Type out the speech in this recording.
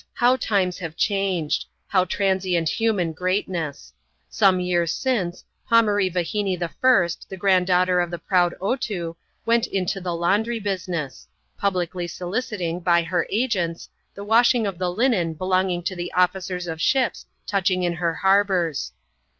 how times have changed! how transient human greatness ! Some years since, Pomaree Vahinee L, the grand daughter of the proud Otoo, went into the laundry business; publicly soliciting, by her agents, the washing of the linen be longing to the officers of ships touching in her harbours.